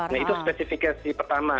nah itu spesifikasi pertama